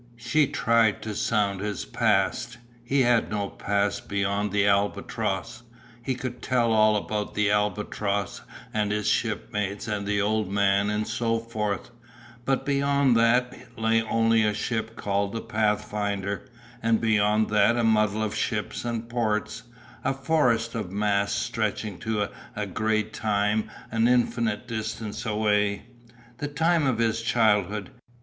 She tried to sound his past. He had no past beyond the Albatross. He could tell all about the Albatross and his shipmates and the Old Man and so forth, but beyond that lay only a ship called the Pathfinder, and beyond that a muddle of ships and ports, a forest of masts stretching to a grey time an infinite distance away, the time of his childhood.